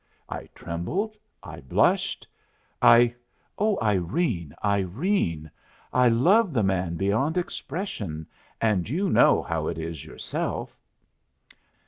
I trembled, I blushed, I O Irene, Irene, I love the man beyond expression and you know how it is yourself.